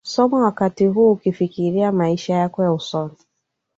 Soma wakati huu ukifikiria maisha yako ya usoni.